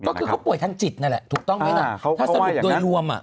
ก็คือเขาป่วยทางจิตนั่นแหละถูกต้องไหมล่ะถ้าสรุปโดยรวมอ่ะ